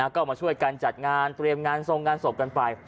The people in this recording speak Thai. ก็มาช่วยกันจัดงานเตรียมงานทรงงานศพกันไป